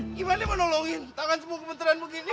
gimana mau nolongin tangan semua kebetulan begini